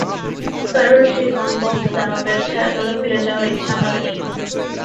কারণ সেই কমবখত দানবের ছায়াতলে ফিরে যাওয়ার ইচ্ছা আমার নেই।